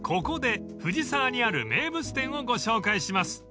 ［ここで藤沢にある名物店をご紹介します］